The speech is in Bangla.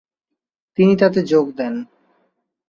তিনি তাতে যোগ দেন।